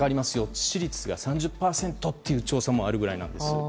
致死率が３０％という調査もあるくらいなんです。